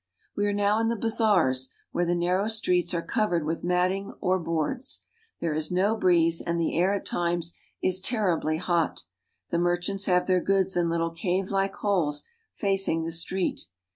We are now in the bazaars, where the narrow streets are covered with matting or boards. There is no breeze, and the air at times is terribly hot. The merchants have their goods in little caveHke holes facing the street.